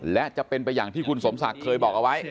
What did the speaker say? และจะเป็นไปอย่างที่คุณสมศักดิ์เคยบอกเอาไว้